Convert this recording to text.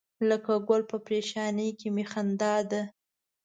لکه ګل په پرېشانۍ کې می خندا ده.